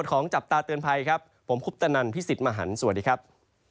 ของจับตาเตือนภัยครับผมคุปตนันพี่สิทธิ์มหันฯสวัสดีครับ